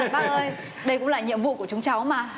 bác ơi đây cũng là nhiệm vụ của chúng cháu mà